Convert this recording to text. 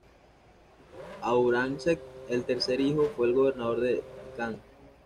Aurangzeb, el tercer hijo, fue el gobernador de Decán.